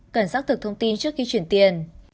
cần xác thực thông tin trước khi chuyển tiền